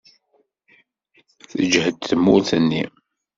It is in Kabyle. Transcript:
Tejhed tewwurt-nni.